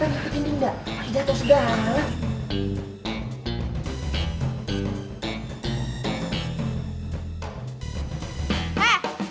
atau dia tau segala